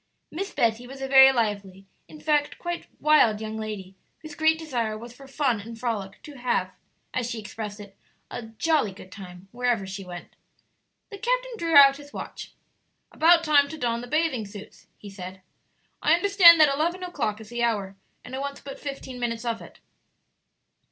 Miss Betty was a very lively, in fact, quite wild, young lady, whose great desire was for fun and frolic; to have, as she expressed it, "a jolly good time" wherever she went. The captain drew out his watch. "About time to don the bathing suits," he said; "I understand that eleven o'clock is the hour, and it wants but fifteen minutes of it."